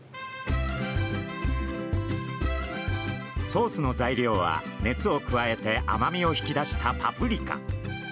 ソースの材料は熱を加えて甘みを引き出したパプリカ。